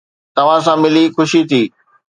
توهان سان ملي خوشي ٿي